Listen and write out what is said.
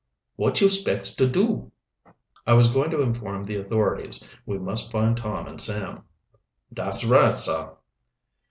"Wot you spects to do?" "I was going to inform the authorities. We must find Tom and Sam." "Dat's right, sah."